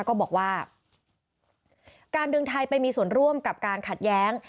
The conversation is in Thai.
ก็บอกว่าการดึงไทยไปมีส่วนร่วมกับการขัดแย้ง